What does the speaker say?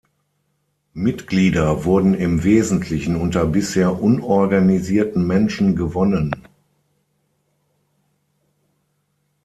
Mitglieder wurden im Wesentlichen unter bisher unorganisierten Menschen gewonnen.